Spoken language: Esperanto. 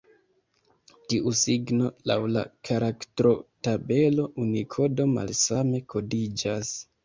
Tiu signo laŭ la karaktrotabelo Unikodo malsame kodiĝas.